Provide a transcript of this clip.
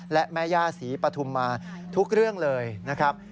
และแม่ย่าศรีปฐุมมาทุกเรื่องเลยนะครับ